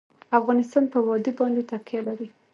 افغانستان په وادي باندې تکیه لري.